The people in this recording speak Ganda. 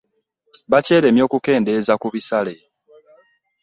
Bakyeremye okukendeeza ku bisale.